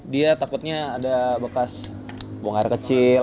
dia takutnya ada bekas buang air kecil